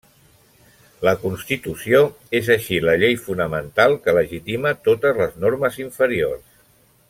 La constitució és així la llei fonamental que legitima totes les normes inferiors.